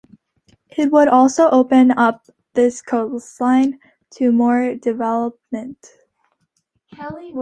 It would also open up this coastline to more development.